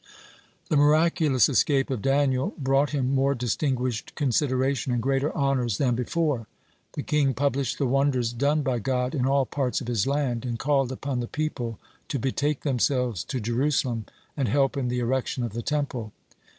(16) The miraculous escape of Daniel brought him more distinguished consideration and greater honors than before. The king published the wonders done by God in all parts of his land, and called upon the people to betake themselves to Jerusalem and help in the erection of the Temple.